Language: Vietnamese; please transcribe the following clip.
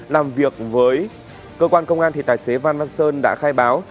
làm việc với cơ quan công an thì tài xế phan văn sơn đã khai báo